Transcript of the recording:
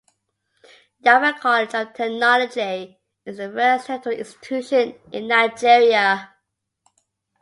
Yaba College of Technology is the first tertiary institution in Nigeria.